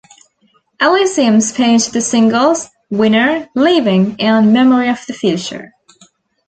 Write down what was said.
Elysium spawned the singles "Winner", "Leaving" and "Memory of the Future".